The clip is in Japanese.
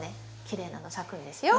きれいなの咲くんですよ。